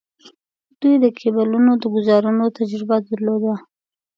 دوی د کیبلونو د ګوزارونو تجربه درلوده.